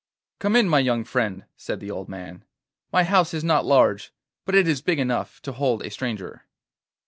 'Come in, my young friend,' said the old man; 'my house is not large, but it is big enough to hold a stranger.